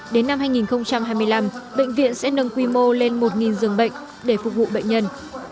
đến năm hai nghìn hai mươi năm bệnh viện sẽ nâng quy mô lên một dường bệnh để phục vụ bệnh nhân